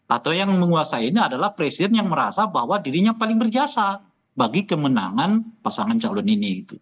atau yang menguasai ini adalah presiden yang merasa bahwa dirinya paling berjasa bagi kemenangan pasangan calon ini